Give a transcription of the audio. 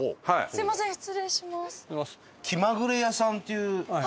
すみません失礼します。